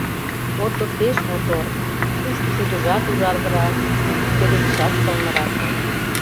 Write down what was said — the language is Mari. Ото пеш мотор, «тушто шудыжат ужаргырак, тушто пеледышат сылнырак».